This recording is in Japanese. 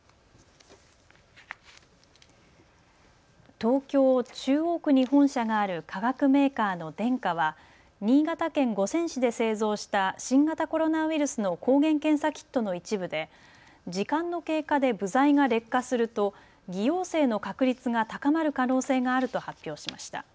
東京中央区に本社がある化学メーカーのデンカは新潟県五泉市で製造した新型コロナウイルスの抗原検査キットの一部で時間の経過で部材が劣化すると偽陽性の確率が高まる可能性があると発表しました。